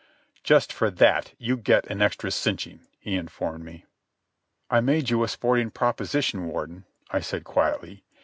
"Just for that you get an extra cinching," he informed me. "I made you a sporting proposition, Warden," I said quietly.